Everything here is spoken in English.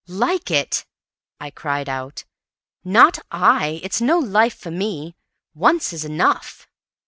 "Like it?" I cried out. "Not I! It's no life for me. Once is enough!"